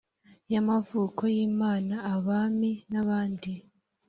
y amavuko y imana abami n abandi